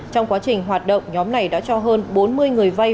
trong quá trình hoạt động nhóm này đã cho hơn bốn mươi người vay